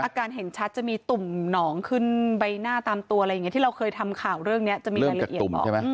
เห็นชัดจะมีตุ่มหนองขึ้นใบหน้าตามตัวอะไรอย่างนี้ที่เราเคยทำข่าวเรื่องนี้จะมีรายละเอียดตุ่มใช่ไหม